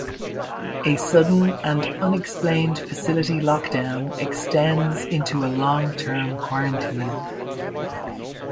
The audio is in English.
A sudden and unexplained facility lockdown extends into a long-term quarantine.